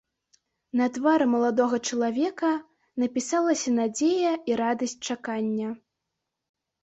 На твары маладога чалавека напісалася надзея і радасць чакання.